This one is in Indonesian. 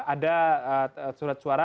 ada surat suara